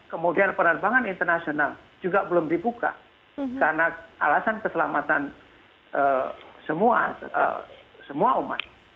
kemudian penerbangan internasional juga belum dibuka karena alasan keselamatan semua umat